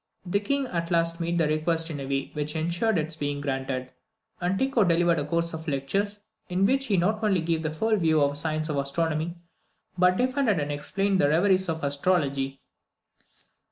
The King at last made the request in a way which ensured its being granted, and Tycho delivered a course of lectures, in which he not only gave a full view of the science of astronomy, but defended and explained all the reveries of astrology.